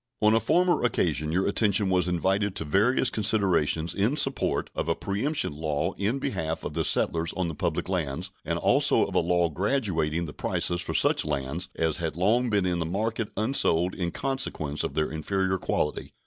On a former occasion your attention was invited to various considerations in support of a preemption law in behalf of the settlers on the public lands, and also of a law graduating the prices for such lands as had long been in the market unsold in consequence of their inferior quality.